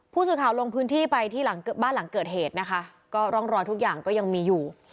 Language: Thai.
ผู้สื่อข่าวลงพื้นที่ไปที่หลังบ้านหลังเกิดเหตุนะคะก็ร่องรอยทุกอย่างก็ยังมีอยู่